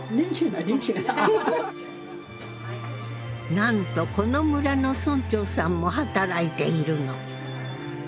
なんとこの村の村長さんも働いているの。